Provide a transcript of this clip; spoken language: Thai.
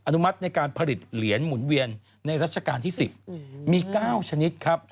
นุมัติในการผลิตเหรียญหมุนเวียนในรัชกาลที่๑๐มี๙ชนิดครับ